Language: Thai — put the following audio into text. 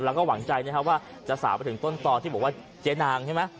เราก็หวังใจนะฮะว่าจะสามารถไปถึงต้นตอนที่บอกว่าเจ๊นางใช่ไหม